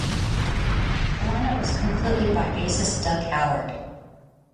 The lineup was completed by bassist Doug Howard.